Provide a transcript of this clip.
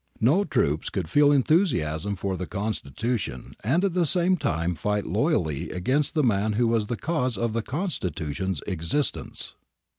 No troops could feel enthusiasm for the Constitution and at the same time fight loyally against the man who was the cause of the Constitution's existence.